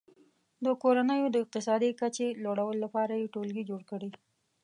د کورنیو د اقتصادي کچې لوړولو لپاره یې ټولګي جوړ کړي.